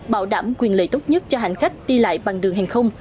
bảo đảm quyền lợi tốt nhất cho hành khách đi lại bằng đường hàng không